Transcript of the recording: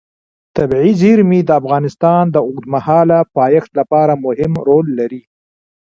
طبیعي زیرمې د افغانستان د اوږدمهاله پایښت لپاره مهم رول لري.